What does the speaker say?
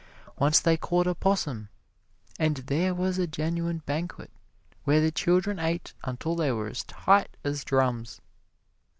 Once they caught a 'possum and there was a genuine banquet, where the children ate until they were as tight as drums.